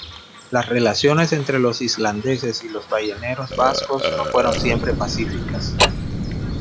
Las relaciones entre los islandeses y los balleneros vascos no fueron siempre pacíficas.